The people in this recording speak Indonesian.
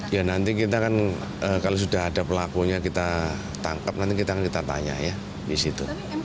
ya nanti kita kan kalau sudah ada pelakunya kita tangkap nanti kita akan kita tanya ya di situ